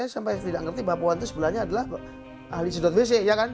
sampai tidak ngerti bahwa pohon itu sebenarnya adalah ahli sudut wc